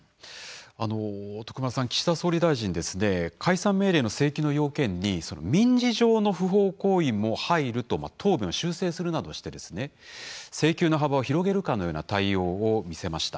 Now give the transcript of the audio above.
徳丸さん、岸田総理大臣解散命令の請求の要件に民事上の不法行為も入ると答弁を修正するなどして請求の幅を広げるかのような対応を見せました。